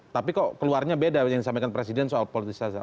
tapi kok keluarnya beda yang disampaikan presiden soal politisasi